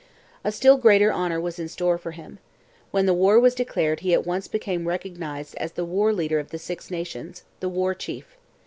A still greater honour was in store for him. When war was declared he at once became recognized as the war leader of the Six Nations the War Chief.